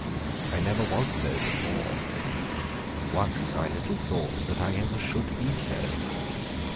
I never was so before. Once I little thought that I ever should be so.